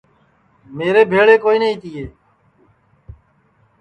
میرے ٻھیݪے کوئی نائی تیئے